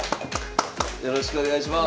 よろしくお願いします。